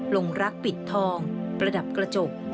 ลงรักปิดทองประดับกระจก